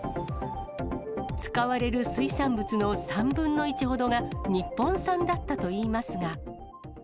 使われる水産物の３分の１ほどが日本産だったといいますが。